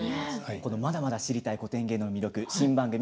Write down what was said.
まだまだ知りたい古典芸能の魅力